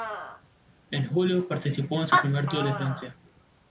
En julio, participó en su primer Tour de Francia.